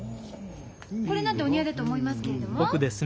これなんてお似合いだと思いますけれども。